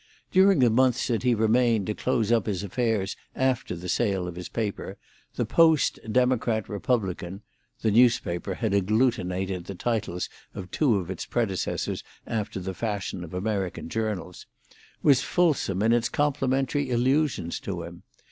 During the months that he remained to close up his affairs after the sale of his paper, the Post Democrat Republican (the newspaper had agglutinated the titles of two of its predecessors, after the fashion of American journals) was fulsome in its complimentary allusions to him.